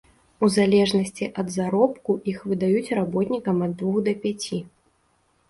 У залежнасці ад заробку іх выдаюць работнікам ад двух да пяці.